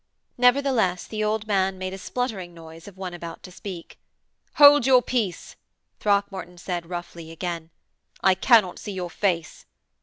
Nevertheless the old man made a spluttering noise of one about to speak. 'Hold your peace,' Throckmorton said roughly, again, 'I cannot see your face.